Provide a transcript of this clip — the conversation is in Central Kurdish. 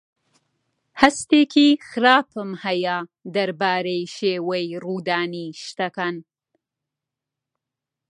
هەستێکی خراپم هەیە دەربارەی شێوەی ڕوودانی شتەکان.